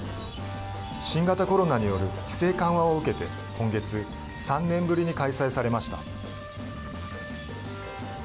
新型コロナによる規制緩和を受けて今月３年ぶりに開催されました。